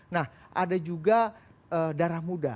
nah ada juga darah muda